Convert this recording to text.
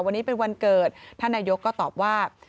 วันนี้เป็นวันเกิดท่านนายกก็ตอบว่า